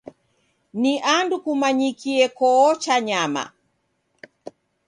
Ni andu kumanyikie koocha nyama.